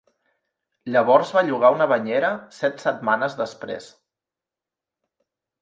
Llavors va llogar una banyera set setmanes després.